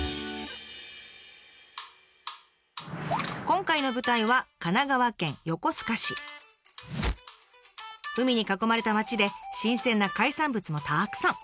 今回の舞台は海に囲まれた街で新鮮な海産物もたくさん！